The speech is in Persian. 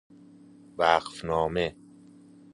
وقف نامه